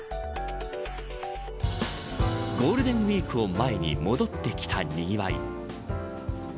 ゴールデンウイークを前に戻ってきたにぎわい。